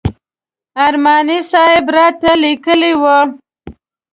ارماني صاحب راته لیکلي و.